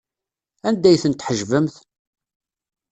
Anda ay ten-tḥejbemt?